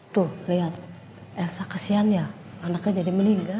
tuh lihat elsa kesian ya anaknya jadi meninggal